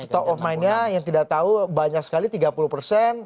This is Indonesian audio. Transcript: top of mind nya yang tidak tahu banyak sekali tiga puluh persen